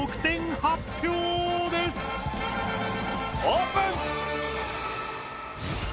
オープン！